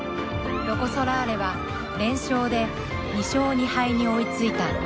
ロコ・ソラーレは連勝で２勝２敗に追いついた。